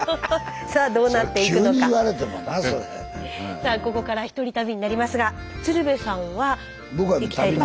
さあここからひとり旅になりますが鶴瓶さんは行きたいところ。